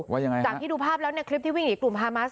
จากที่ดูภาพแล้วเนี่ยคลิปที่วิ่งอีกกลุ่มฮามัส